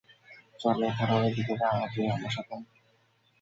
চল, তোরা এইদিকে যা, তুই আমার সাথে আয়।